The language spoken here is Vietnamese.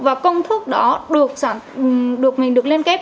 và công thức đó mình được liên kết